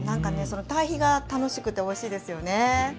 その対比が楽しくておいしいですよね。